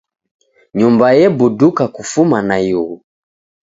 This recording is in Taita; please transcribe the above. Nyumba ebuduka kufuma naighu.